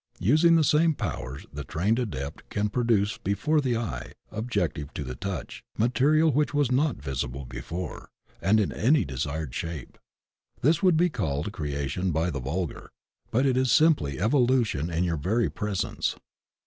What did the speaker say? Using the same powers, the trained Adept can pro duce before the eye, objective to the touch, material which was not visible before, and in any desired shape. This would be called creation by the vulgar, but it is simply evolution in your very presence.